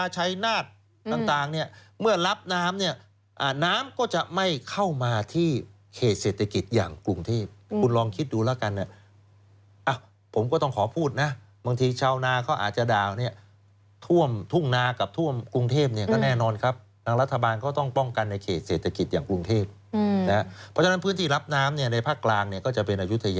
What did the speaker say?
ชัยนาฏต่างเนี่ยเมื่อรับน้ำเนี่ยน้ำก็จะไม่เข้ามาที่เขตเศรษฐกิจอย่างกรุงเทพคุณลองคิดดูแล้วกันเนี่ยผมก็ต้องขอพูดนะบางทีชาวนาเขาอาจจะดาวเนี่ยท่วมทุ่งนากับท่วมกรุงเทพเนี่ยก็แน่นอนครับทางรัฐบาลก็ต้องป้องกันในเขตเศรษฐกิจอย่างกรุงเทพเพราะฉะนั้นพื้นที่รับน้ำเนี่ยในภาคกลางเนี่ยก็จะเป็นอายุทยา